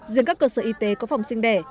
riêng các cơ sở y tế có phòng sinh đẻ